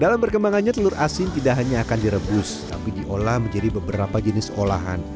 dalam perkembangannya telur asin tidak hanya akan direbus tapi diolah menjadi beberapa jenis olahan